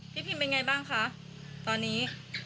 พี่พิมเป็นไงบ้างคะตอนนี้